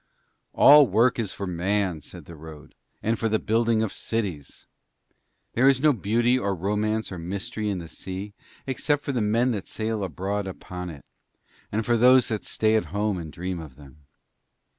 'All work is for Man,' said the road, 'and for the building of cities. There is no beauty or romance or mystery in the sea except for the men that sail abroad upon it, and for those that stay at home and dream of them.